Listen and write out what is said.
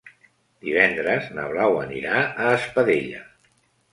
Divendres na Blau anirà a Espadella.